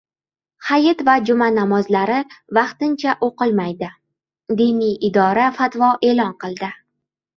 Hayit va juma namozlari vaqtincha o‘qilmaydi – Diniy idora fatvo e’lon qildi